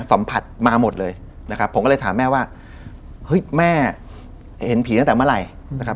สัมผัสมาหมดเลยนะครับผมก็เลยถามแม่ว่าเฮ้ยแม่เห็นผีตั้งแต่เมื่อไหร่นะครับ